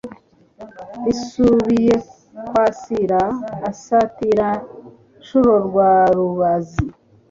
Risubiye kwasira, usatira-nshuro rwa Rubazi